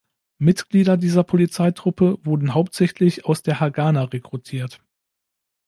Mitglieder dieser Polizeitruppe wurden hauptsächlich aus der Hagana rekrutiert.